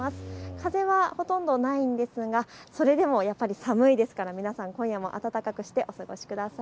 風はほとんどないんですがそれでもやっぱり寒いですから今夜も暖かくしてお過ごしください。